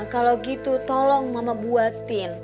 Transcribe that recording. kalau gitu tolong mama buatin